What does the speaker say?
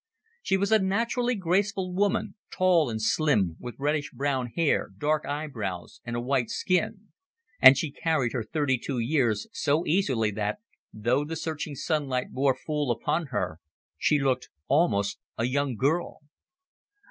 She was a naturally graceful woman, tall and slim, with reddish brown hair, dark eyebrows, and a white skin; and she carried her thirty two years so easily that, though the searching sunlight bore full upon her, she looked almost a young girl.